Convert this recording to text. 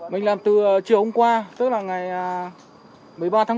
mình làm từ chiều hôm qua tức là ngày một mươi ba tháng năm